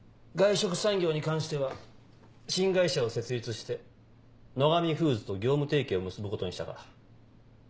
外食産業に関しては新会社を設立して野上フーズと業務提携を結ぶことにしたから。